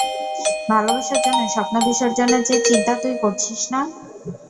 ভালোবাসার জন্য স্বপ্ন বিসর্জনের যে চিন্তা তুই করছিস না?